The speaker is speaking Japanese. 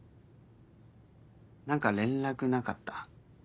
何か連絡なかった？